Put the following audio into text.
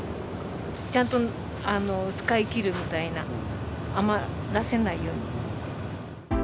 ちゃんと使い切るみたいな、余らせないように。